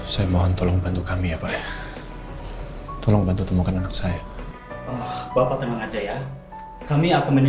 kita menemukan pertemuan siapakah dia banyak di sini